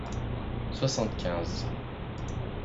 soixante-quinze